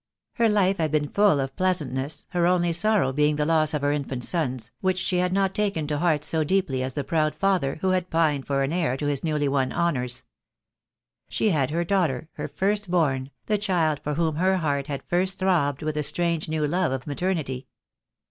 Her life had been full of pleasantness, her only sorrow being the loss of her infant sons, which she had not taken to heart so deeply as the proud father who had pined for an heir to his newly won honours. She had her daughter, her first born, the child for whom her heart had first throbbed with the strange new love of maternity.